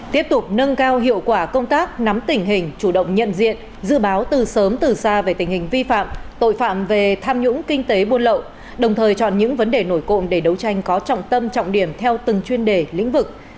tiếp tục nâng cao hiệu quả công tác nắm tình hình chủ động nhận diện dự báo từ sớm từ xa về tình hình vi phạm tội phạm về tham nhũng kinh tế buôn lậu đồng thời chọn những vấn đề nổi cộm để đấu tranh có trọng tâm trọng điểm theo từng chuyên đề lĩnh vực